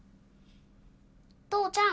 父ちゃん